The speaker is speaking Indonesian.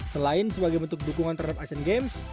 selain sebagai bentuk dukungan terhadap asian games